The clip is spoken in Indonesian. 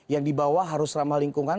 yang dibawa harus ramah lingkungan